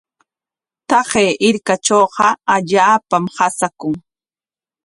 Taqay hirkatrawqa allaapam qasaakun.